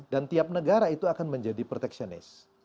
dan tiap negara itu akan menjadi protectionis